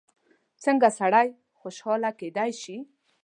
څنګه سړی خوشحاله کېدای شي؟